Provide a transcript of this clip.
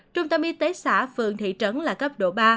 trung tâm y tế xã phường thị trấn là cấp độ ba